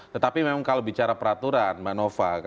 tetapi memang kalau bicara peraturan mbak nova